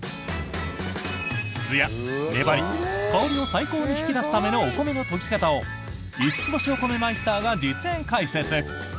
つや、粘り、香りを最高に引き出すためのお米の研ぎ方を五ツ星お米マイスターが実演解説！